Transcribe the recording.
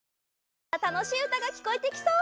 えからたのしいうたがきこえてきそう！